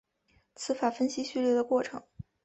词法分析序列的过程。